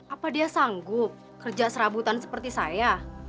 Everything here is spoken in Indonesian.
apa dia sanggup kerja serabutan seperti saya